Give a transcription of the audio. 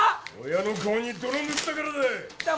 親の顔に泥塗ったからだ！